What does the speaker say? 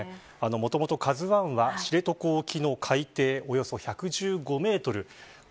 もともとＫＡＺＵ１は知床沖の海底およそ１１５メートル